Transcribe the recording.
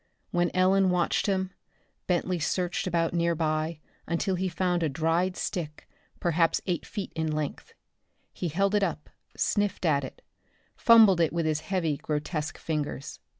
When Ellen watched him, Bentley searched about nearby until he found a dried stick perhaps eight feet in length. He held it up, sniffed at it, fumbled it with his heavy, grotesque fingers.